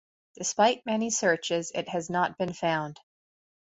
Despite many searches, it has not been found.